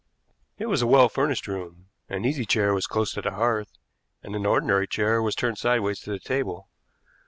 It was a well furnished room. An easy chair was close to the hearth, and an ordinary chair was turned sideways to the table.